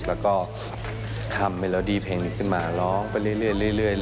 แล้วก็ทำให้เราดีเพลงนี้ขึ้นมาร้องไปเรื่อย